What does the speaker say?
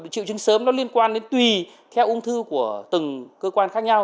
triệu chứng sớm nó liên quan đến tùy theo ung thư của từng cơ quan khác nhau